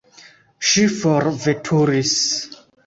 Ŝi forveturis.